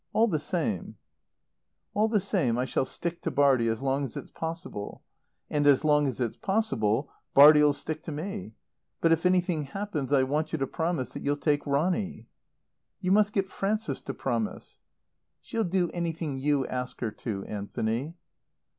All the same " "All the same I shall stick to Bartie as long as it's possible. And as long as it's possible Bartie'll stick to me. But, if anything happens I want you to promise that you'll take Ronny." "You must get Frances to promise." "She'll do anything you ask her to, Anthony."